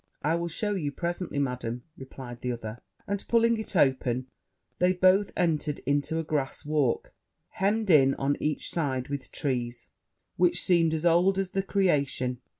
'I will shew you presently, Madam,' replied the other; and, pulling it open, they both entered into a grass walk, hemmed in on each side with trees, which seemed as old as the creation.